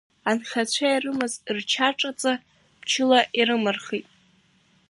Анхацәа ирымаз рча-ҿаҵа мчыла ирымырхит.